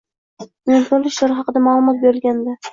Bunyodkorlik ishlari haqida ma’lumot berilgandi.